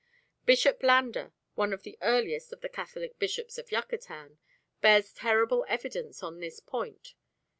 Bishop Landa, one of the earliest of the Catholic bishops of Yucatan, bears terrible evidence on this point.